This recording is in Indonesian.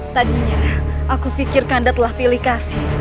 tadinya aku pikir kanda telah pilih kasih